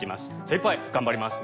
精いっぱい頑張ります。